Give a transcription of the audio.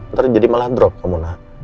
ntar jadi malah drop komunal